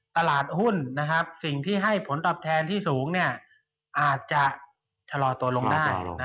ตลาดหุ้นสิ่งที่ให้ผลตอบแทนที่สูงอาจจะชะลอตัวลงได้